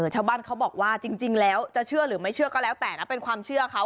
ชาวบ้านเขาบอกว่าจริงแล้วจะเชื่อหรือไม่เชื่อก็แล้วแต่นะเป็นความเชื่อเขา